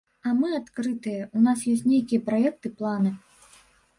І мы адкрытыя, у нас ёсць нейкія праекты, планы.